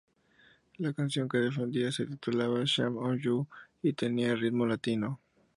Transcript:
La canción que defendía se titulaba ""Shame on you"" y tenía ritmo latino.